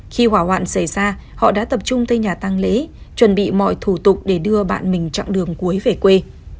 khi hỏa hoạn xảy ra họ đã tập trung tới nhà tăng lễ chuẩn bị mọi thủ tục để đưa bạn mình chặng đường cuối về quê